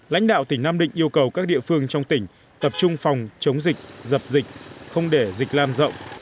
lãnh đạo tỉnh nam định yêu cầu các địa phương trong tỉnh tập trung phòng chống dịch dập dịch không để dịch lan rộng